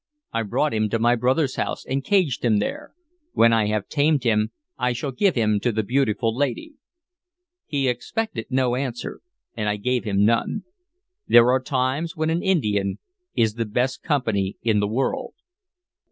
I brought him to my brother's house, and caged him there. When I have tamed him, I shall give him to the beautiful lady." He expected no answer, and I gave him none. There are times when an Indian is the best company in the world.